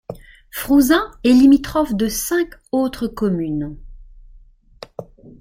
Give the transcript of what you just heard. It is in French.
Frouzins est limitrophe de cinq autres communes.